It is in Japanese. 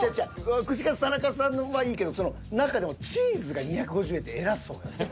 「串カツ田中」さんはいいけど何かでもチーズが２５０円って偉そうやねん。